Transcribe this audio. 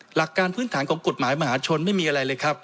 หลักการพื้นฐานของกฎหมายมหาชนไม่มีอะไรเลยครับ